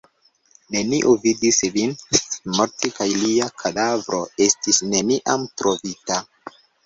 Neniu vidis lin morti kaj lia kadavro estis neniam trovita.